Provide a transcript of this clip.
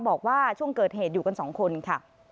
บอกว่าช่วงเกิดเหตุอยู่กันสองคนค่ะ